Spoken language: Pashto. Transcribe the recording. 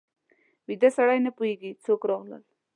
ویده سړی نه پوهېږي څوک راغلل